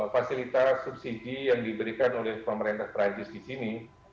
fasilitas subsidi yang diberikan oleh pemerintah perancis di sini